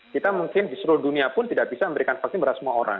kita mungkin di seluruh dunia pun tidak bisa memberikan vaksin pada semua orang